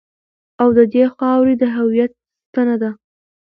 او د دې خاورې د هویت ستنه ده.